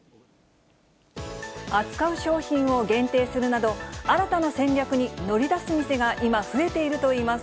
扱う商品を限定するなど、新たな戦略に乗り出す店が今、増えているといいます。